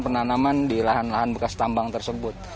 penanaman di lahan lahan bekas tambang tersebut